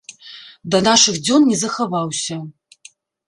Да нашых дзён не захаваўся.